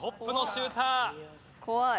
怖い。